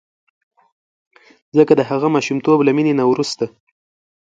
ځکه د هغه ماشومتوب له مینې نه وروسته.